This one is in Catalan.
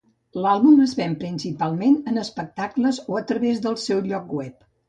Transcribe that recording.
L'àlbum es ven principalment en espectacles o a través del seu lloc web.